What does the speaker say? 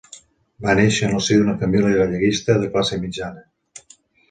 Va néixer en el si d'una família galleguista de classe mitjana.